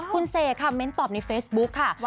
คุณเสกค่ะเม้นตอบในเฟซบุ๊คค่ะ